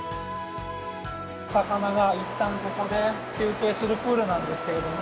魚がいったんここで休憩するプールなんですけれども。